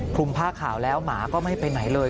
คลุมผ้าขาวแล้วหมาก็ไม่ไปไหนเลย